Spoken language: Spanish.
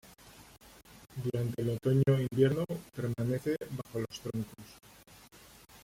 Durante el otoño e invierno permanece bajo los troncos.